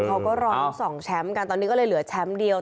เขาก็ร้อง๒แชมป์กันตอนนี้ก็เลยเหลือแชมป์เดียว